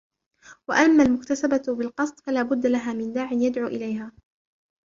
وَأَمَّا الْمُكْتَسَبَةُ بِالْقَصْدِ فَلَا بُدَّ لَهَا مِنْ دَاعٍ يَدْعُو إلَيْهَا